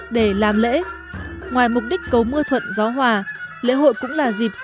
để làm lễ ngoài mục đích cầu mưa thuận gió hòa lễ hội cũng là dịp